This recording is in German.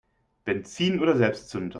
Benzin oder Selbstzünder?